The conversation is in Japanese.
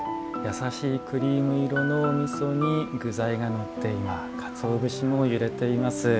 優しいクリーム色のおみそに具材がのってかつお節も揺れています。